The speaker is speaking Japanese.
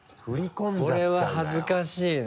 これは恥ずかしいな。